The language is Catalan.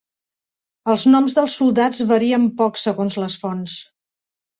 Els noms dels soldats varien poc segons les fonts.